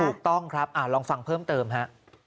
ถูกต้องครับลองฟังเพิ่มเติมฮะ